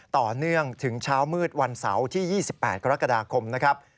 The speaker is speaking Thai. ต่อเนื่องถึงเช้ามืดวันเสาร์ที่๒๘กรกฎาคมนะครับ